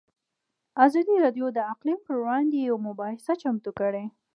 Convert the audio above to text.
ازادي راډیو د اقلیم پر وړاندې یوه مباحثه چمتو کړې.